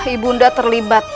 ibu nda terlibat